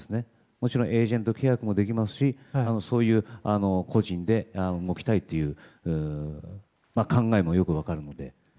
もちろんエージェント契約もできますし個人で動きたいという考えもよく分かるので。